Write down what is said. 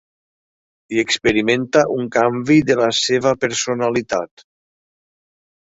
I experimenta un canvi de la seva personalitat.